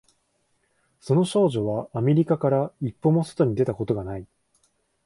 その少女はアメリカから一歩も外に出たことがない